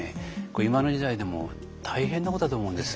今の時代でも大変なことだと思うんですよ。